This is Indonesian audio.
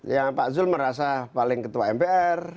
ya pak zul merasa paling ketua mpr